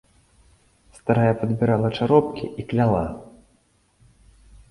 Старая падбірала чаропкі і кляла.